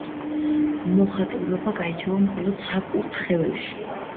მოხატულობა გაირჩევა მხოლოდ საკურთხეველში.